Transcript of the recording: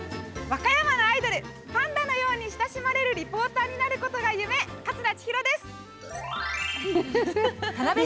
和歌山のアイドルパンダのように親しまれるリポーターになることが夢勝田千尋です。